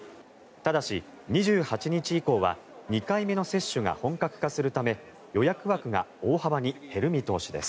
ただし、２８日以降は２回目の接種が本格化するため予約枠が大幅に減る見通しです。